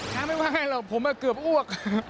ช้างไม่ว่าให้หรอกผมเกือบอ้วก